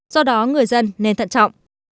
do đó người dân nên thận trọng